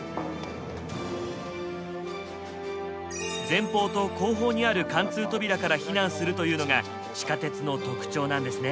前方と後方にある貫通扉から避難するというのが地下鉄の特徴なんですね。